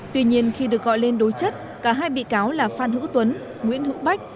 tuy nhiên khi được gọi lên đối chất cả hai bị cáo là phan hữu tuấn nguyễn hữu bách